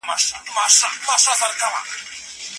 د بریا چانس یوازي مستحقو کسانو ته نه سي ورکول کېدلای.